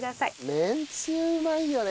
めんつゆうまいよね。